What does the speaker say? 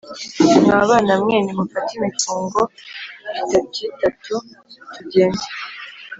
mwa bana mwe nimufate imifungo itatitatu tugende.